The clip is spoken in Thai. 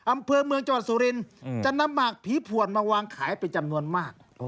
อำเภอเมืองจังหวัดสุรินทร์จะนำหมากผีผวนมาวางขายเป็นจำนวนมาก